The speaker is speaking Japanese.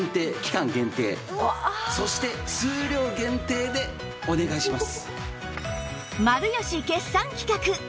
そして数量限定でお願いします。